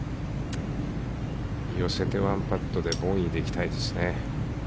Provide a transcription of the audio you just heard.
寄せて１パットでボギーで行きたいですね。